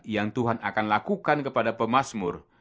yang tuhan akan lakukan kepada pemasmur